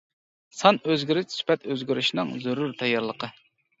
سان ئۆزگىرىش سۈپەت ئۆزگىرىشنىڭ زۆرۈر تەييارلىقى.